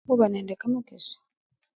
Khuba nende kamakesi.